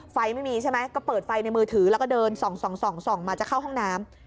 ไม่มีใช่ไหมก็เปิดไฟในมือถือแล้วก็เดินส่องมาจะเข้าห้องน้ำ